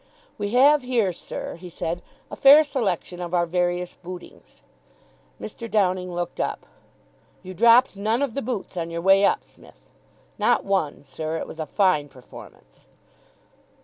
"We have here, sir," he said, "a fair selection of our various bootings." Mr. Downing looked up. "You dropped none of the boots on your way up, Smith?" "Not one, sir. It was a fine performance."